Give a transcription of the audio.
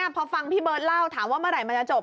พอฟังพี่เบิร์ตเล่าถามว่าเมื่อไหร่มันจะจบ